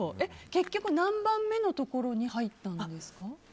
結局何番目のところに入ったんですか？